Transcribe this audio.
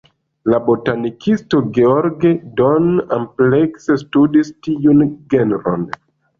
La botanikisto George Don amplekse studis tiun genron.